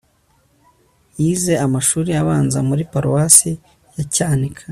yize amashuri abanza muri paruwasi ya cyanika